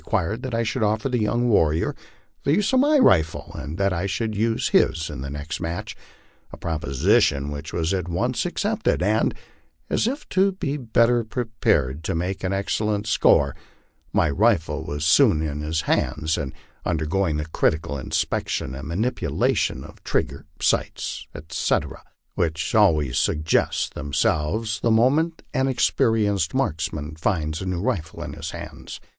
quired that I should offer the young warrior the use of my rifle, and that I should use his in the next match ; a proposition which was at once accepted, and, as if to be better prepared to make an excellent score, my rifle was soon in his hands and undergoing the critical inspection and manipulation of trig ger, sights, etc., which always suggest themselves the moment an experienced marksman finds a new rifle in his hands.